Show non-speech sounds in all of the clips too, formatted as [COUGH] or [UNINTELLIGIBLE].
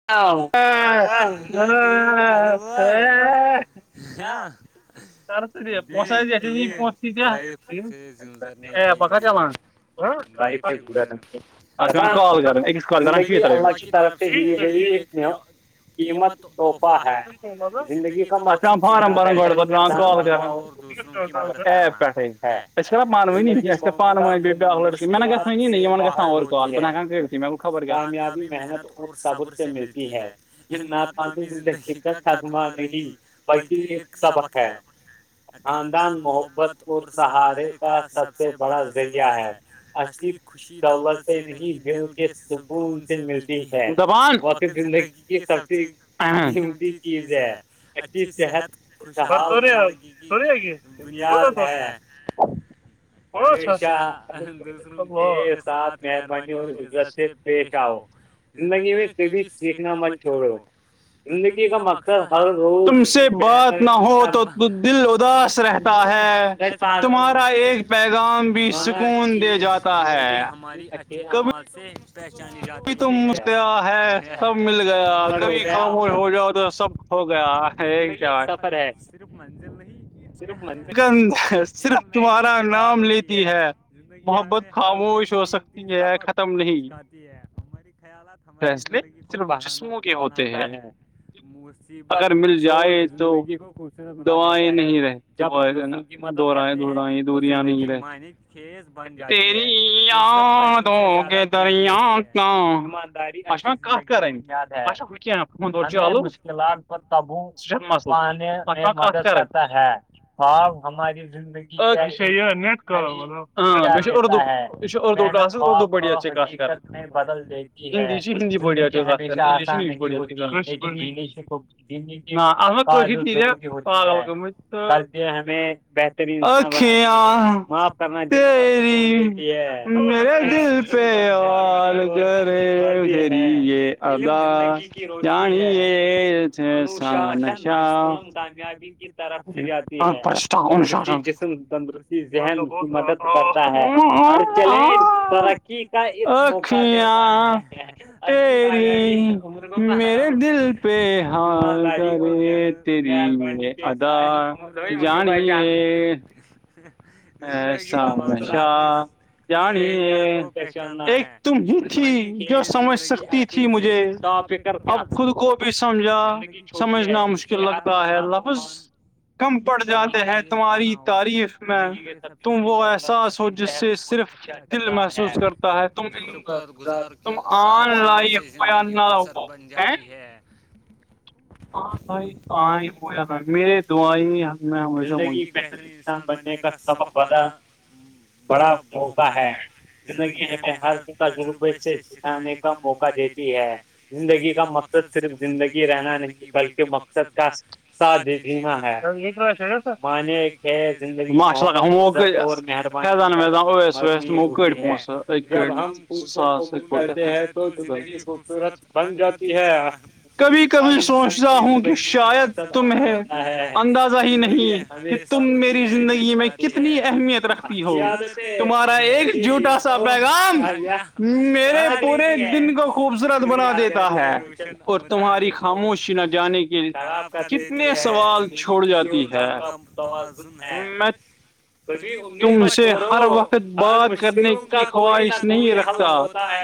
ا ا بس پتی کیا پکا چلان ال ط ط ایک قیمت صوفہ ہے زندگی کا ایپ پیھ کرا پانونی پانانی تو میں نہا گانانی نہیں یہن گان ا اورکک م میں گوبر کایاب محت قبر سے ملتی ہے نہ پان دت تھا بلقی سب اقا ہے خاندان محبت پ سہارے کا سب سے بڑا ذریعہ ہے اللہ بت زندگی کی سب سے قیمتی چیز ہے کی صحت خوشحال زندگی کی بنیاد ہے مہربانی ہو پیش آؤ زندگی میں کبھی سیکھنا من چوڑے ہو زندگی کا مقصد ہر روز تم سے بات نہ ہو تو دل اداس رہتا تا ہے تمہارا ایک بیگ رام بھی سکون دے جاتا ہے کبھی ا سے پہچانی جات کبھی تم کیا ہے سب مل گیا کبھی کام ہو جاؤ تو سب ہو گیا سر ہے جر مانزل نہیں ہی صرف م صرف چہارا شروعات ہوتی ہے زندگی ہمیں ہر دل کیرتی سبق کی ہے ہماری خیالات ہماری زندگی کو بہانا بناتا ہے موسیب اگر مل جائے تو دوائیں نہیں رہے میں دو رہا دڑ رہا دوریا نہیں رہتی ترییا د گ دریا ہاں حمداری کر تبو صرفے میں مدد کرتا ہے آاب ہماری زندگی اں میں اردو یہ اردو س اردو پٹیی ت سے ک کر بدلتے بڑی ہوتی ب [UNINTELLIGIBLE] [UNINTELLIGIBLE] بناتے سے اور بڑھتی ہے علم زندگی جانی تھ س نشا [UNINTELLIGIBLE] [UNINTELLIGIBLE] [UNINTELLIGIBLE] پ حال تری م جان آئی ہیں [UNINTELLIGIBLE] ایسا نشا جان ایک تم ہی تھی جو سمجھ سکتی تھی تھی مجھےر خود کو بھی سمجھا سمجھنا مشکل لگتا ہے لفظ کم پڑ جاتے ہیں تمہاری تعریف میں تم وہ احساس ہو جس سے صرف دل محسوس کرتا ہے ت کے ساتھ جینے سے زندگی خوبصورت بن جاتی ہے ہاں بھائی ہاں ہی ہو تھا مے دائی نہیں آ میں س ب کا پا تھا بڑا موقع ہے زندگی ہر م کا ر سکھانے کا موقع د ہے زندگی کا مقصد صرف زندگی رہنا نہیں بلکہ مقصد کا دینا ہے [UNINTELLIGIBLE] [UNINTELLIGIBLE] بن جاتی ہے کبھی کبھی سوچتے ہوں کہ شاید تمہیں اندازہ ہی نہیں کہ تم میری زندگی میں کتنی اہمیت رکھتی ہو تمہارا ایک جوٹا سا پیغام میرے پورے دن کو خوبصورت بنا دیتا ہے اور تمہاری خاموشی نگ جانے کے لیے کتنے سوال چھوڑ جاتی ہے تے ہر وقت بار کرنے کی خواہش نہیں رکھتا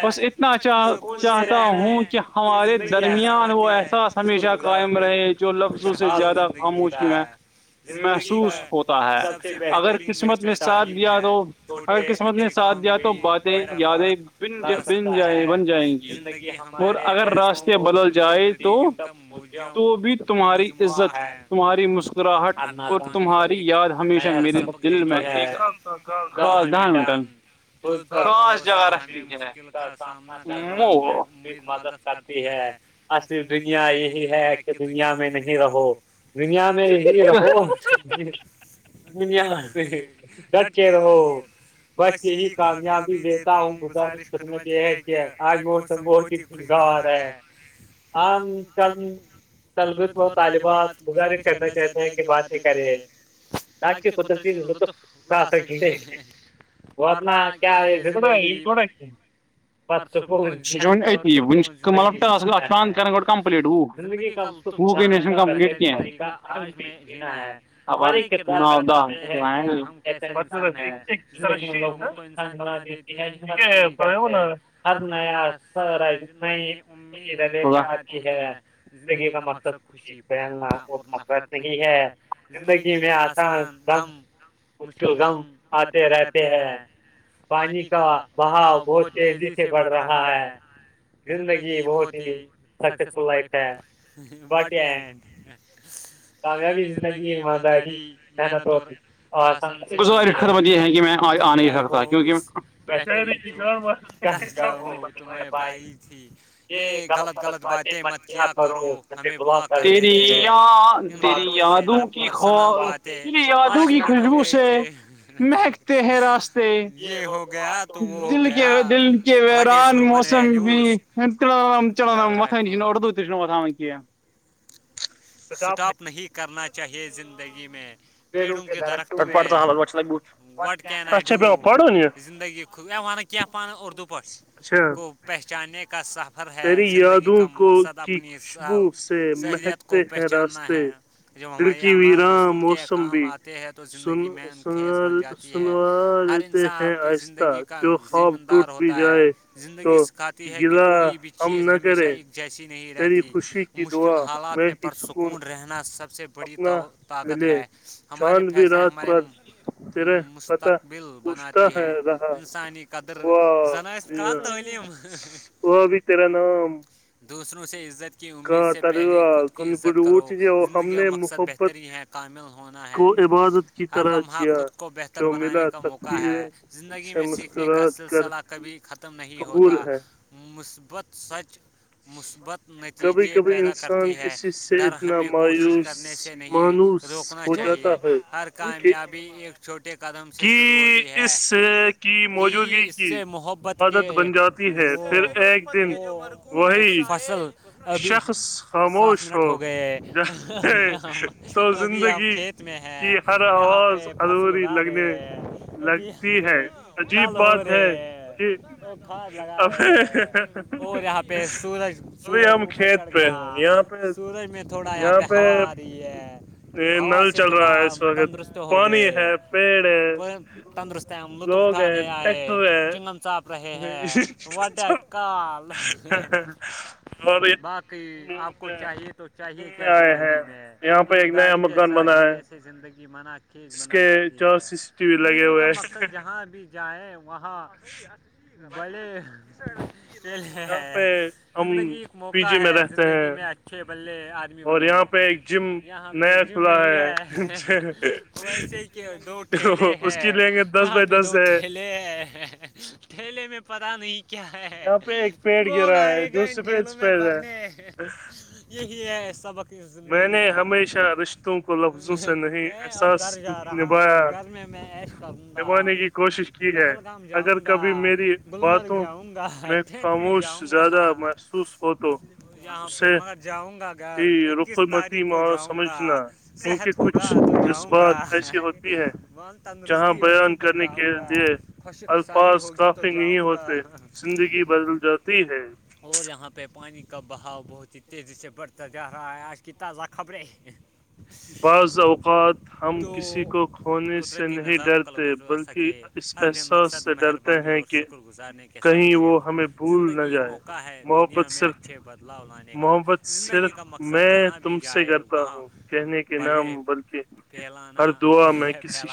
بس ا چاہ چاہتا ہوں کہ ہمارے درمیان وہ احساس ہمیشہ قائم رہے جو لفظوں سے زیادہ خاموش میں ہے محسوس ہوتا ہے اگر قسمت نے ساتھ دیا تو ٹر قسمت نے ساتھ دیا تو باتیں یادیں ب بن جائیں بن جائیں گیگی اور اگر راستے بدل جائے تو تو بھی تمہاری عزت ہے تمہاری مسکراہٹ اور تمہاری یاد ہمیشہ میرے دل میں ت [UNINTELLIGIBLE] تو پچ جگہ رکھتی ہے مدد کرتی ہے اصل دنیا یہی ہے کہ دنیا میں نہیں رہو دنیا میں دن ڈچ رہ بس یہی کامیابی دیتا ہوں گزارش کرنے ہے کہ آج م خوشگوار ہے ہاں کل کل بھی تھ طالبات گزارف کرنا چاہتے ہیں کہ بات یہ کرے راج کے قدرتیطف وہ ا اپنا کیاسے تھڑا سک پ گ پلیٹ وہ وہ نیشن کمپ کے [INAUDIBLE] ہر ن سر نہیں ہے زندگی کا مقصد خوشی پھیلنا اور نفرت نہیں ہے زندگی میں آسان دغم مشکل غم آتے رہتے ہیں پانی کا بہاؤ بہت تیزی سے بڑھ رہا ہے زندگی بہت ہی سکسیسفل لائف ہے وٹ اینڈ کامیابی زندگی ایمانداری محنت ہوتی اورزمت یہ ہے کہ میں آ نہیں سکتا کیونکہ ج غلط سلط باتات مچ آ سے دیا دری یادو کی خواب دری یادو کی خوشبو سے مہکتے ہیں راستے دل کے دل کے ویران موسم سم بھی چام چلنا متا یہ اردو تش ن وہ وت کیہ سٹاپ نہیں کرنا چاہیے زندگی میں پیڑوں کے درختوں میں واٹ کین آئی ڈو زندگیود امان پان اردو پٹ کو پہچاننے کا صاح تری یادوں کو کی خوشبو سے محت کو پہچاننا ہے جب ہمارے اماز دوسروں کے کام آتے ہیں تو زندگی س سنوا لیتے ہیں آہستہ جو خواب ٹوٹ بھی جائے زندگی سکھاتی ہے کہ کوئی بھی چیز ہمیشہ ایک جیسی نہیں رہتی مشکل حالات میں پر سکون رہنا سب سے بڑی طاقت ہے ہمارے فیصلے ہمارے مستقبل بناتی ہے انسانی قدر زنع سے وہ بھی تیرا نام دوسروں سے عزت کی امید سے پہلے خود کو کی عزت کرو زندگی کا مقصد بہتری ہے کامل ہونا ہے ہر لمحہ خود کو بہتر بنانے کا موقع ہے زندگی میں سیکھنے کا سلسلہ کبھی ختم ختم نہیں ہوتا مثبت سچ مثبت نتیجے پیدا کرتی ہے ڈر ہمیں کوشش کرنے سے نہیں روکنا چاہیے ہر کامیابی ایک چھوٹے قدم سے شروع ہوتی ہے کہ اس سے محبت کہ وہ وہ فصل شخص خاموش ہو ہو گئے اب ابھی ہم کھیت میں ہے یہاں پہ فصل اگا رہے ہے جی آ کل ہو رہے ہے ا کار لگا رہے ہیں اور یہاں پہ سورج ابھی ہم کھیت پہ ہیں یہاں سورج میں تھوڑا یہاں پہ ہوا آ رہی ہے یہ نل چل رہا ہے اس وقت پانی ہے پیڑ ہے لطف اٹھانے آئے چنگم چانپ رہے ہیں کال باقی آپ چاہیے تو چاہیے کیا زندگی میں ہے امداری کے ساتھ جینے سے زندگی منع کیا جس کے چار سی سی ٹی وی لگے ہوئے ہے وہاں بھی جائیں وہاں بولے لیے زندگی ایک موقع ہے زندگی میں اچا بللے آدمی بنو یہاں پہ جم نہیں ہے ویسے کہ دو ٹھیلے ہیں یہاں پہ دو ٹھیلے ٹھیلے میں پتا نہیں کیا ہے کون آئے گا ان ٹھیلوں میں برنے یہی ہے ای سابق زندگی کا میں گئے اب گھر جا رہا ہوں گھر میں میں ایس کروں گا پہلگام جاؤں گا گللمرگ جاؤں گا میں خاموش زیادہ محسوس ہو تو پہ میںگر جاؤں گا گھر اکیس تاریخ کو جاؤں گا صحت ہوگا تو جاؤں گا تندرستی ہوگی تو جاؤں گا خوشک سالی ہوگی تو جاؤں گا زندگی بدل جاتی ہے اور یہاں پہ پانی کا بہاؤ بہت ہی تیزی سے بڑھتا جا رہا ہے آج کی تازہ خبریں بعض اوقات ہم کسی کو کھونے سے نہیں ڈرتے بلکہ اس فحساس سے ڈرتے ہیں کہ کہیں وہ ہمیں بھول نہ جائے محبت صرف محبت صرف میں تم سے کرتا ہوں کہنے کے نام بلکہ ہر دعا میں کسی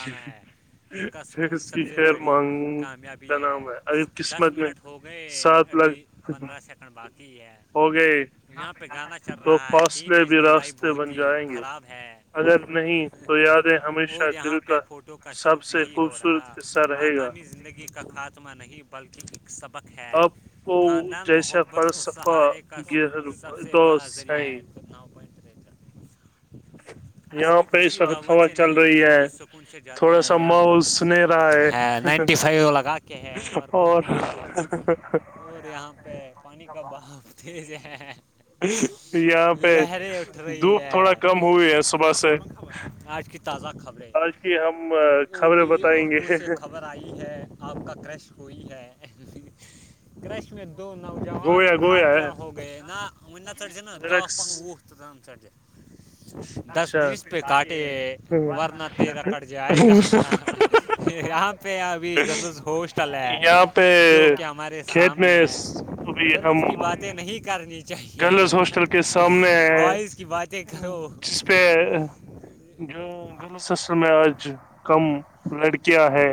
اس کی خئر مانگ کا نام ہے ابب قسمت میں سات لگ پندرہ سیکنڈ باقی ہے ہوگئے تو فاصلے بھی راستے بن جائیں گے ہاں اگر نہیں تو یادیں ہمیشہ دل کا سب سے خوبصورت جسا رہے گا خما نہیں بلکہ ایک سبق ہے خاندان محبت اور سہارے کا سب سے بڑا ذریعہ ہے جی یہاں پہ اس وقت ہوا چل رہی ہے تھوڑا سا ماحول سنرا ہے اور اور یہاں پہ پانی کا بہاؤ تیز ہے یہاں پہ دھوپ تھوڑا کم ہوئی ہے صبح سے کہ ہم خبریں بتائیں گے آئی ہے آپ کا کرش کوئی ہے کرش میں دو نوجان خطرہ ہو گیئے نا ون ن چڑج نا دہ وہ مت دان چرج دس بیس پہ کاٹے ورنہ تیرہ کٹ جے آئے یہاں پہ ابھی گرلز ہوسٹل ہے جو کہ ہمارے سامنے ہے رت کی باتیں نہیں کرنیاہ چاہیے بوائز کی باتیں کرو جورر میں آج کم لڑکی کیا ہے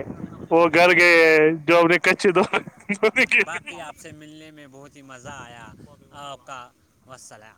وہ گھر گئے جو اپنے کچے آ سے ملنے میں بہت ہی مزہ آیا آپ کا وسلہ